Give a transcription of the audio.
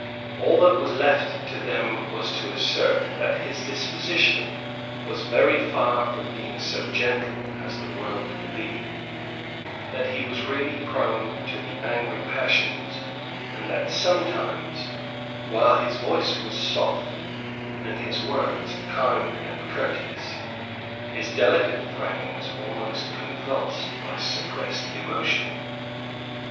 All that was left to them was to assert that his disposition was very far from being so gentle as the world believed, that he was really prone to the angry passions, and that sometimes, while his voice was soft, and his words kind and courteous, his delicate frame was almost convulsed by suppressed emotion.